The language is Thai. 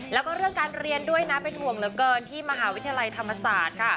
แล้วก็เรื่องการเรียนด้วยนะเป็นห่วงเหลือเกินที่มหาวิทยาลัยธรรมศาสตร์ค่ะ